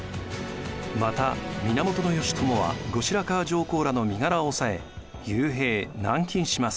また源義朝は後白河上皇らの身柄を押さえ幽閉・軟禁します。